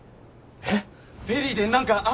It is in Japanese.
えっ。